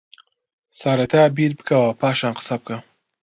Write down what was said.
سەرەتا بیر بکەوە پاشان قسەبکە